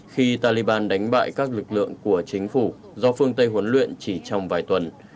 khi taliban đánh bại các lực lượng của chính phủ do phương tây huấn luyện chỉ trong vài tuần